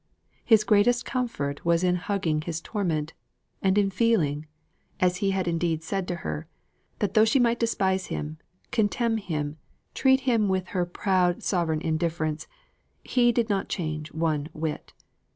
His greatest comfort was in hugging his torment and in feeling, as he had indeed said to her, that though she might despise him, contemn him, treat him with her proud sovereign indifference, he did not change one whit.